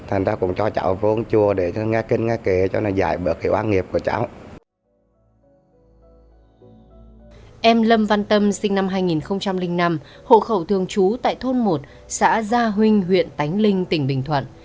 em lâm văn tâm sinh năm hai nghìn năm hộ khẩu thường trú tại thôn một xã gia huynh huyện tánh linh tỉnh bình thuận